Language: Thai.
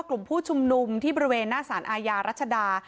กลุ่มผู้ชุมนุมที่บริเวณหน้าสารอาญารัชดา